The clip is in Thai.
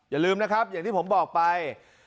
อย่าลืมนะครับอย่างที่ผมบอกไป